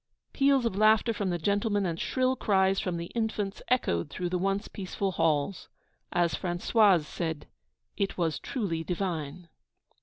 Peals of laughter from the gentlemen, and shrill cries from the infants, echoed through the once peaceful halls. As Françoise said 'It was truly divine.'